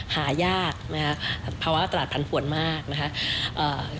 หายากนะคะเพราะว่าตลาดพันธุ์ภวนมากนะคะ